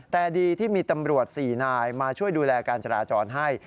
แต่ดีที่มีตำรวจ๔นายมาช่วยดูแลการจราจรให้